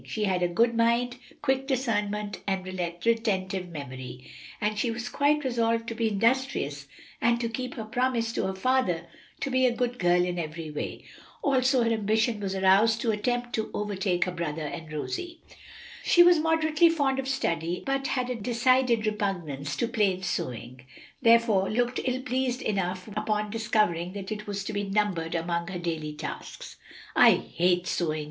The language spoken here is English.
She had a good mind, quick discernment and retentive memory, and she was quite resolved to be industrious and to keep her promise to her father to be a good girl in every way. Also her ambition was aroused to attempt to overtake her brother and Rosie. She was moderately fond of study, but had a decided repugnance to plain sewing, therefore looked ill pleased enough upon discovering that it was to be numbered among her daily tasks. "I hate sewing!"